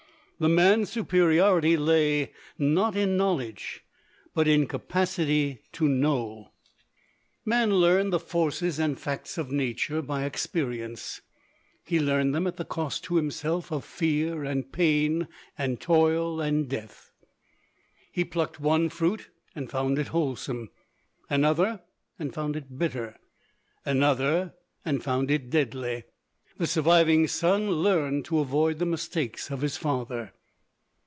The man's superiority lay not in knowledge, but in capacity to know. Man learned the forces and facts of Nature by experience. He learned them at the cost to himself of fear and pain and toil and death. He plucked one fruit and found it wholesome; another, and found it bitter; another, and found it deadly. The surviving son learned to avoid the mistakes of his father.